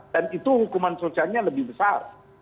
dan itu hukuman sosialnya lebih besar